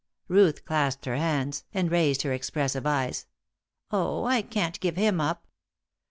Ruth clasped her hands and raised her expressive eyes. "Oh, I can't give him up."